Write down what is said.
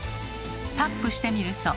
タップしてみると。